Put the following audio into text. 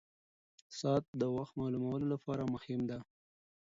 ساعت د وخت معلومولو لپاره مهم ده.